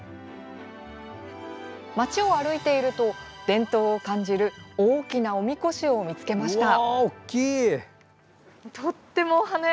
町を歩いていると伝統を感じる大きな御神輿を見つけました。